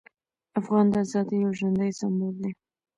افغان د ازادۍ یو ژوندی سمبول دی.